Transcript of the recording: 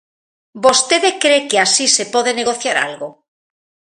¿Vostede cre que así se pode negociar algo?